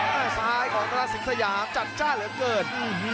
แม่ซ้ายของธนาสิงสยามจัดจ้านเหลือเกิน